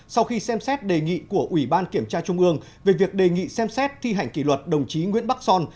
sau khi xem xét đề nghị của ủy ban kiểm tra trung ương về việc đề nghị xem xét thi hành kỷ luật đồng chí nguyễn bắc son